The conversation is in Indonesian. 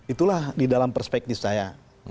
itulah di dalam perspektif saya